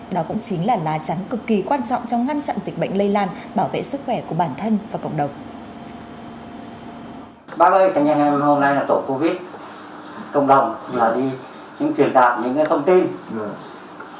đó cũng chính là lá chắn cực kỳ quan trọng trong ngăn chặn dịch bệnh lây lan bảo vệ sức khỏe của bản thân và cộng đồng